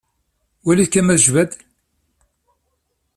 Walit kan ma tejba-d.